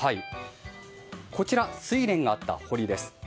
左上がスイレンがあった堀です。